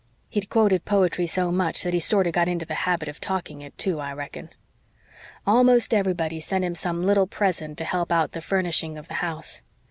He'd quoted poetry so much that he sorter got into the habit of talking it, too, I reckon. "Almost everybody sent him some little present to help out the furnishing of the house.